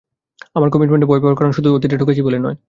আমার কমিটমেন্টে ভয় পাওয়ার কারণ শুধু অতীতে ঠকেছি বলে নয়।